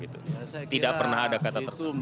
tidak pernah ada kata tersumbah